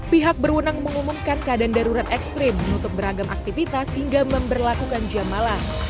pihak berwenang mengumumkan keadaan darurat ekstrim menutup beragam aktivitas hingga memperlakukan jam malam